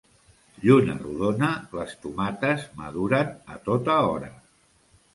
Lluna rodona, les tomates maduren a tota hora.